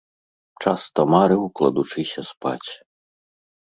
Часта марыў, кладучыся спаць.